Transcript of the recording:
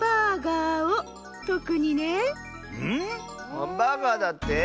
ハンバーガーだって？